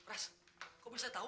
pras kok bisa tau